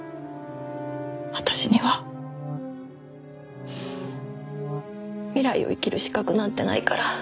私には未来を生きる資格なんてないから。